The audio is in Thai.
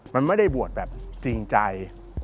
มันไม่ได้บวชแบบจริงใจ